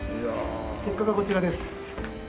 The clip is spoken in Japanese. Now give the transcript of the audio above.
結果がこちらです。